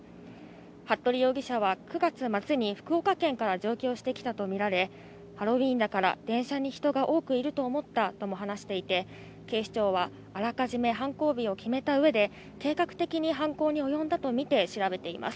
服部容疑者は９月末に、福岡県から上京してきたと見られ、ハロウィーンだから電車に人が多くいると思ったとも話していて、警視庁は、あらかじめ犯行日を決めたうえで、計画的に犯行に及んだと見て調べています。